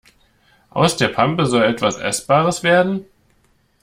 Aus der Pampe soll etwas Essbares werden?